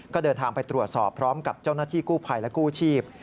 ก็เดินทางไปตรวจสอบพร้อมกับเจ้าหน้าที่กู้ภัยและกู้ชีพ